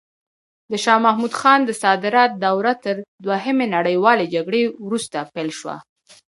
د شاه محمود خان د صدارت دوره تر دوهمې نړیوالې جګړې وروسته پیل شوه.